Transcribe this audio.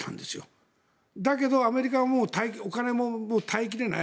だけどアメリカはお金も耐え切れない。